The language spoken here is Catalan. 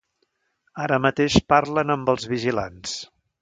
Ara mateix parlen amb els vigilants.